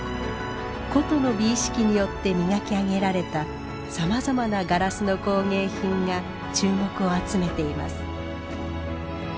古都の美意識によって磨き上げられたさまざまなガラスの工芸品が注目を集めています。